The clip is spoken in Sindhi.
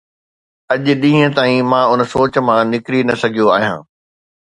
اڄ ڏينهن تائين مان ان سوچ مان نڪري نه سگهيو آهيان.